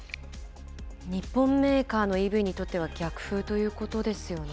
日本メーカーのＥＶにとっては逆風ということですよね。